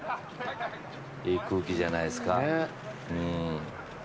いい空気じゃないですか？